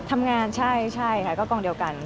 ทำงานใช่ค่ะก็กองเดียวกัน